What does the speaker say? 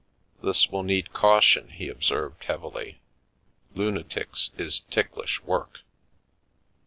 " This will need caution," he observed, heavily. " Lu natics is ticklish work."